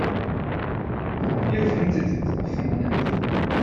You've hinted it often enough.